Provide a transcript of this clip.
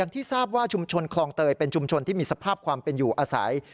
ที่ทราบว่าชุมชนคลองเตยเป็นชุมชนที่มีสภาพความเป็นอยู่อาศัย